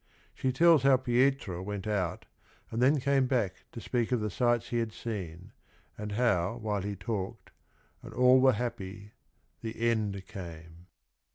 She tells how Pietro went out and then came back to speak of the sights he had seen, and how while he talked, and all were happy, — the end came.